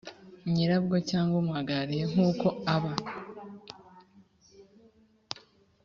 nyirabwo cyangwa umuhagarariye nk uko aba